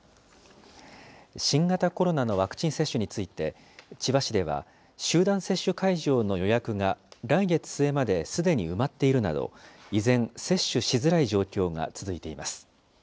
新型コロナのワクチン接種について、千葉市では、集団接種会場の予約が来月末まですでに埋まっているなど、依然、接種しづらい状況が続いています。